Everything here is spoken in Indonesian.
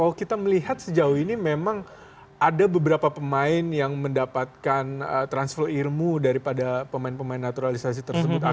kalau kita melihat sejauh ini memang ada beberapa pemain yang mendapatkan transfer ilmu daripada pemain pemain naturalisasi tersebut